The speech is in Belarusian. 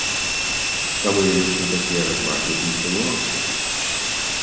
Таму я лічу такія развагі інсінуацыяй.